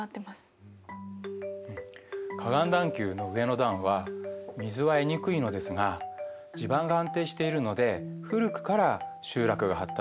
河岸段丘の上の段は水は得にくいのですが地盤が安定しているので古くから集落が発達したんですね。